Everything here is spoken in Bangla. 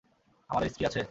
আমাদের স্ত্রী আছে?